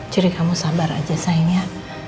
jadi kamu sabar aja sayang ya